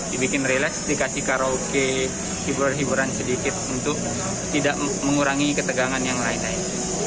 dibikin relas dikasih karaoke hiburan hiburan sedikit untuk tidak mengurangi ketegangan yang lain lain